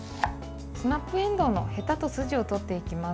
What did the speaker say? スナップえんどうのヘタと筋を取っていきます。